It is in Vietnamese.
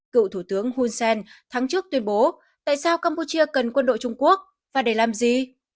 cựu thủ tướng hun sen tháng trước tuyên bố tại sao campuchia cần quân đội trung quốc và để làm gì